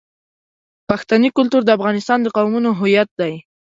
پښتني کلتور د افغانستان د قومونو هویت دی.